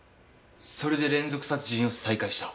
それで連続殺人を再開した。